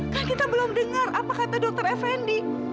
kan kita belum dengar apa kata dokter effendi